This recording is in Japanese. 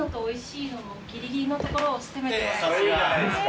いいじゃないですか。